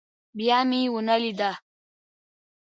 بيا مې ونه ليده.